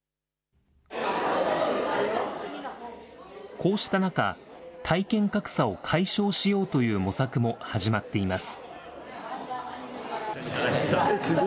こうした中、体験格差を解消しようという模索も始まっています。